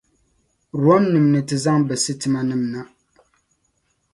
Romnim’ ni ti zaŋ bɛ sitimanim’ na.